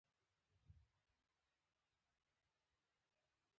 دوکاندار خپل سامان د رښتینولۍ سره معرفي کوي.